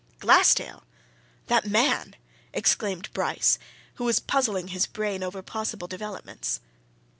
"Glassdale! That man!" exclaimed Bryce, who was puzzling his brain over possible developments.